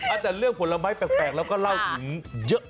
แต่เรื่องผลไม้แปลกเราก็เล่าถึงเยอะ